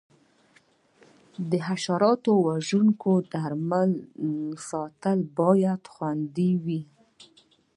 د حشره وژونکو درملو ساتنه باید خوندي وي.